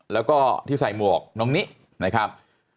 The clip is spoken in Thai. แล้วก็ที่ใส่หมวกน้องนินะครับ